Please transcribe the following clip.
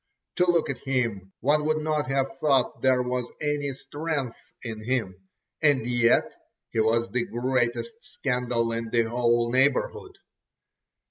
To look at him—one would not have thought there was any strength in him, and yet he was the greatest scandal in the whole neighbourhood.